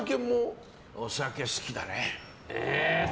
お酒、好きだね。